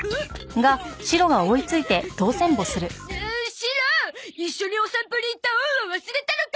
シロ一緒にお散歩に行った恩を忘れたのか！？